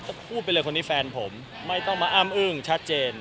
ก็พูดไปเลยคนนี้แฟนผมไม่ต้องมาอ้ำอึ้งชัดเจน